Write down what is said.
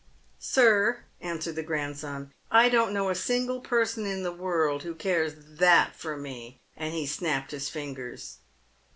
" Sir," answered the grandson, " I don't know a single person in the world who cares that for me," and he snapped his fingers.